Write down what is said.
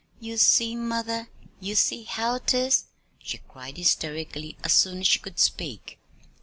"You see, mother, you see how 'tis," she cried hysterically, as soon as she could speak.